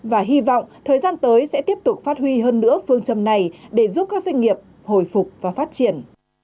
và hy vọng thời gian tới sẽ tiếp tục phát huy hơn nữa phương châm này để giúp các doanh nghiệp hồi phục và phát triển